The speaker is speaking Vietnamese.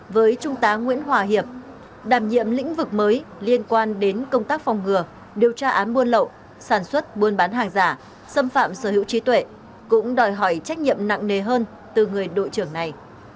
với trung tá nguyễn hòa hiệp đàm nhiệm lĩnh vực mới liên quan đến công tác phòng ngừa điều tra án buôn lậu sản xuất buôn bán hàng giả xâm phạm sở hữu trí tuệ cũng đòi hỏi trách nhiệm nặng nề hơn từ người đội trưởng này